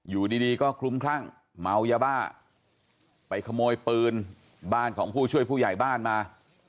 อยู่ดีก็คลุ้มคลั่งเมายาบ้าไปขโมยปืนบ้านของผู้ช่วยผู้ใหญ่บ้านมา